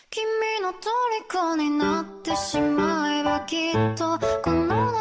เป็นไงล่ะคุณ